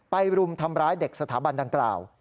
รุมทำร้ายเด็กสถาบันดังกล่าว